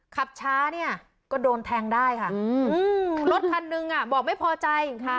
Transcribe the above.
ขับช้าเนี่ยก็โดนแทงได้ค่ะรถคันหนึ่งอ่ะบอกไม่พอใจค่ะ